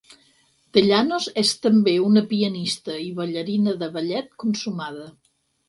Dellanos és també una pianista i ballarina de ballet consumada.